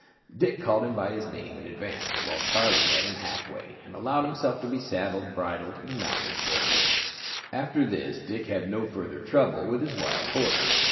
Dick called him by his name and advanced, while Charlie met him half way, and allowed himself to be saddled, bridled, and mounted forthwith. After this Dick had no further trouble with his wild horse.